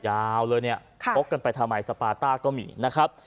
ยาวเลยเนี่ยพกกันไปทำไมสปาต้าก็มีนะครับ